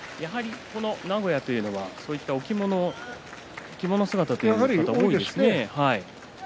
名古屋というのは着物姿という方が多いですね。